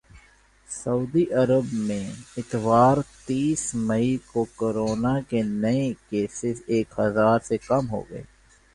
سعودی عرب میں اتوار تیس مئی کو کورونا کے نئے کیسز ایک ہزار سے کم ہوگئے